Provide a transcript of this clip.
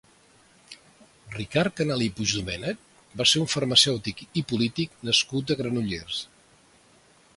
Ricard Canal i Puigdomènech va ser un farmacèutic i polític nascut a Granollers.